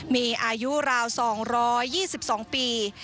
มีอายุราว๒๒ปี